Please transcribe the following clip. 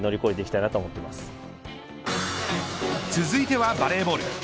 続いてはバレーボール。